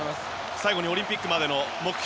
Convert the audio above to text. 最後にオリンピックまでの目標